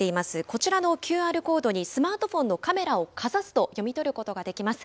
こちらのＱＲコードにスマートフォンのカメラをかざすと読み取ることができます。